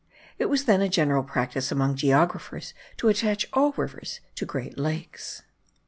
It was then a general practice among geographers to attach all rivers to great lakes.